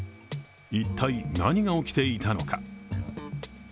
一体、何が起きていたのか。